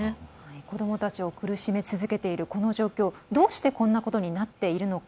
子どもたちを苦しめ続けている、この状況どうしてこんなことになっているのか。